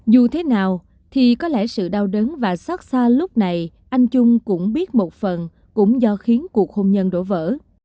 dù thế nào thì có lẽ sự đau đớn và xót xa lúc này anh trung cũng biết một phần cũng do khiến cuộc hôn nhân đổ vỡ